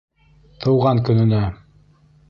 Тыуған көнөнә.